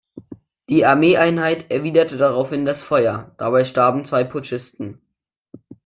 Die Armeeeinheit erwiderte daraufhin das Feuer; dabei starben zwei Putschisten.